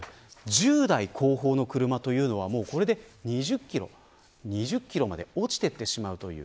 １０台後方の車はこれで２０キロまで落ちていってしまうという。